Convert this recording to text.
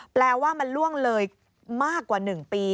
แปลว่ามันล่วงเลยมากกว่า๑ปี